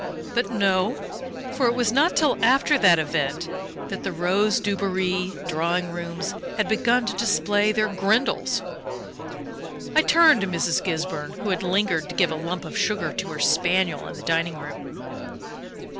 But no for it was not till after that event that the rose Dubarry drawing rooms had begun to display their "Grindles." I turned to Mrs. Gisburn, who had lingered to give a lump of sugar to her spaniel in the dining room.